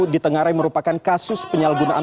di tengah rai merupakan kasus penyalgunaan